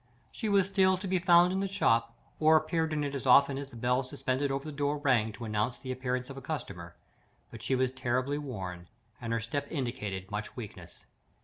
She was still to be found in the shop, or appeared in it as often as the bell suspended over the door rang to announce the entrance of a customer; but she was terribly worn, and her step indicated much weakness.